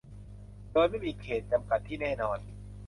โดยไม่มีเขตต์จำกัดที่แน่นอน